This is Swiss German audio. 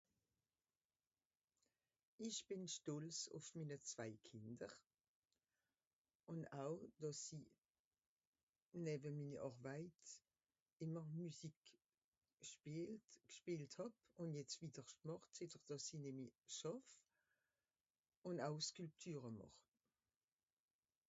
Ìch bìn stolz ùff minne zwei Kìnder. Ùn au, dàss i, näwe minni Àrweit, ìmmer Müsik spielt... gspielt hàb. ùn jetz witterscht màcht, zetter dàss i nìmmi schàff. Ùn au Skülptüre màch.